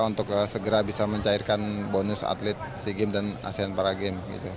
untuk segera bisa mencairkan bonus atlet sea games dan asean para games